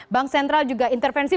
bank sentral juga intervensi